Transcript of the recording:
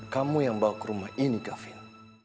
kamu yang bawa ke rumah ini kevin